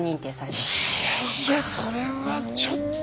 いやいやそれはちょっと。